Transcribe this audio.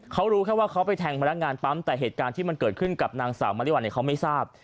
เขารู้แค่ว่าเขาไปแทงพนักงานปั๊มแต่เหตุการณ์ที่มันเกิดขึ้นกับนางสาวมริวัลเนี่ยเขาไม่ทราบ